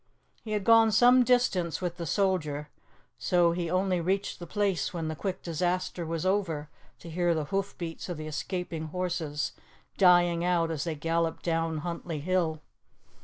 He had gone some distance with the soldier, so he only reached the place when the quick disaster was over to hear the hoof beats of the escaping horses dying out as they galloped down Huntly Hill.